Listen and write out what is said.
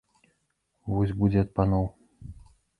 Вось будзе ад паноў!